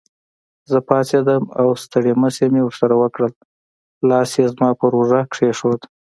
زه پاڅېدم او ستړي مشي مې ورسره وکړل، لاس یې زما پر اوږه کېښود.